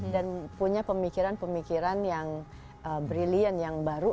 dan punya pemikiran pemikiran yang brilliant yang baru